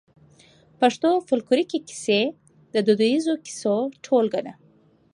پښتو فولکلوريکي کيسې د دوديزو کيسو ټولګه ده.